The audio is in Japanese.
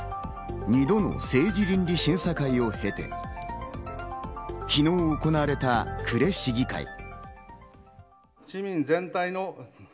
２度の政治倫理審査会を経て、昨日行われた呉市議会。